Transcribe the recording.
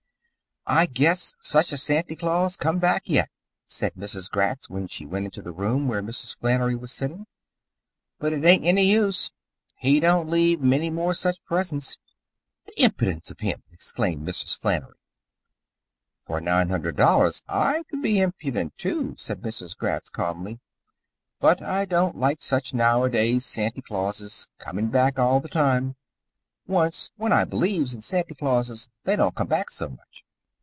"I guess such a Santy Claus came back yet," said Mrs. Gratz when she went into the room where Mrs. Flannery was sitting. "But it ain't any use. He don't leave many more such presents." "Th' impidince of him!" exclaimed Mrs. Flannery. "For nine hundred dollars I could be impudent, too," said Mrs. Gratz calmly. "But I don't like such nowadays Santy Clauses, coming back all the time. Once, when I believes in Santy Clauses, they don't come back so much."